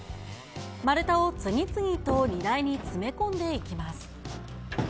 丸太を次々と荷台に詰め込んでいきます。